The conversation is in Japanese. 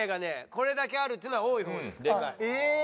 これだけあるっていうのは多い方です。